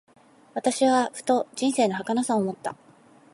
私はふと、人生の儚さを思った。